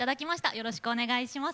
よろしくお願いします。